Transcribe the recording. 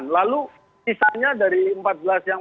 lalu sisanya dari empat belas yang